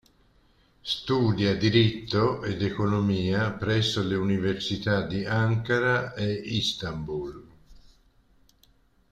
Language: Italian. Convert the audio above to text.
Studia diritto ed economia presso le università di Ankara e Istanbul.